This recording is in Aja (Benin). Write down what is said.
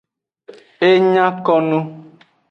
E nya ko nu.